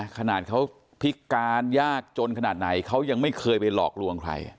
ขนาดเขาพิการยากจนขนาดไหนเขายังไม่เคยไปหลอกลวงใคร